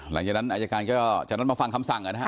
หลังจากนั้นอาจการณ์ก็มาฟังคำสั่ง